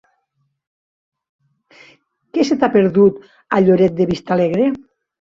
Què se t'hi ha perdut, a Lloret de Vistalegre?